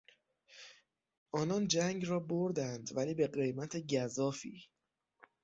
آنان جنگ را بردند ولی به قیمت گزافی.